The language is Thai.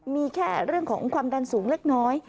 มีแค่เรื่องของความดันสูงเล็กน้อย